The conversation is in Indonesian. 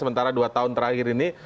sementara dua tahun terakhir ini